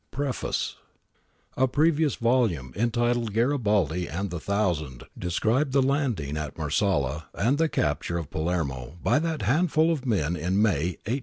T. PREFACE A PREVIOUS volume entitled ' Garibaldi and the Thou sand ' described the landing at Marsala and the capture of Palermo by that handful of men in May, i860.